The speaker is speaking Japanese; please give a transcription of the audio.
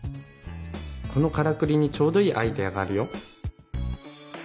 このからくりにちょうどいいアイデアがあるよ。